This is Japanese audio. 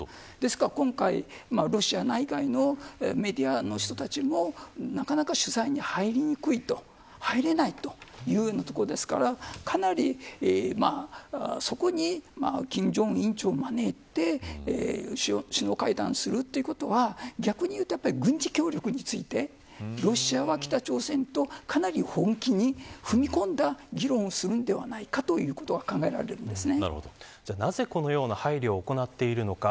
今回、ロシア内外のメディアの人たちもなかなか取材に入りにくい入れないような場所ですからそこに金正恩委員長を招いて首脳会談をするということは逆にいうと、軍事協力についてロシアは北朝鮮と本気で踏み込んだ議論をするのではないかということがなぜこのような配慮を行っているのか。